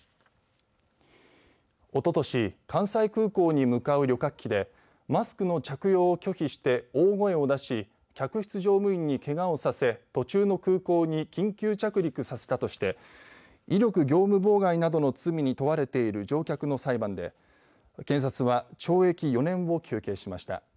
おととし関西空港に向かう旅客機でマスクの着用を拒否して大声を出し客室乗務員に、けがをさせ途中の空港に緊急着陸させたとして威力業務妨害などの罪に問われている乗客の裁判で検察は懲役４年を求刑しました。